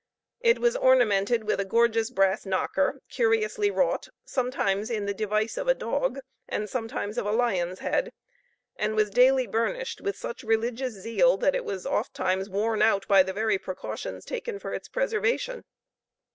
It was ornamented with a gorgeous brass knocker, curiously wrought, sometimes in the device of a dog, and sometimes of a lion's head, and was daily burnished with such religious zeal, that it was oft times worn out by the very precautions taken for its preservation.